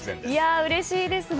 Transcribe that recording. うれしいですね。